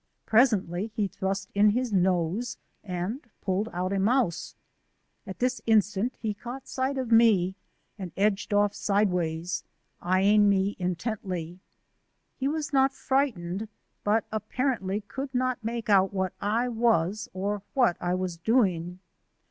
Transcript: Presently he thrust in his nose and pulled out a mouse. At this instant he caught sight of me and edged off sideways, eying me intently. He was not frightened, but apparently could not make out what I was or what I was doing.